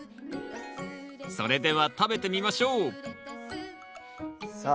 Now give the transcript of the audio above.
それでは食べてみましょうさあ